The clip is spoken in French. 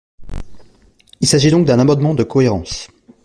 Il s’agit donc d’un amendement de cohérence.